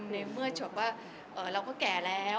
ในเมื่อแบบว่าเราก็แก่แล้ว